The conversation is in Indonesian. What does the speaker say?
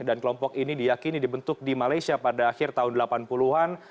dan kelompok ini diyakini dibentuk di malaysia pada akhir tahun delapan puluh an